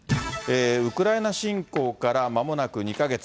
ウクライナ侵攻からまもなく２か月。